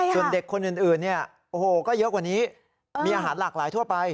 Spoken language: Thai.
ส่วนเด็กคนอื่นก็เยอะกว่านี้มีอาหารหลากหลายทั่วไป